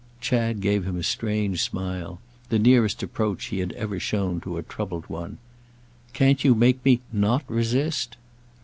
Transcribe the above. Chad gave him a strange smile—the nearest approach he had ever shown to a troubled one. "Can't you make me not resist?"